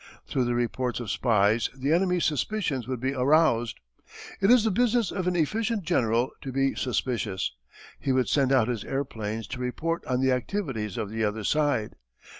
Through the reports of spies the enemy's suspicions would be aroused. It is the business of an efficient general to be suspicious. He would send out his airplanes to report on the activities of the other side.